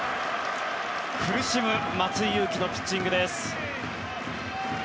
苦しむ松井裕樹のピッチングです。